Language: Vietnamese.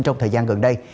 trong thời gian gần đây